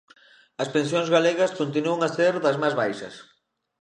As pensións galegas continúan a ser das máis baixas.